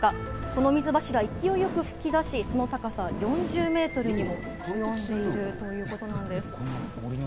この水柱、勢いよく噴き出し、その高さ４０メートルにもなっているということなんです。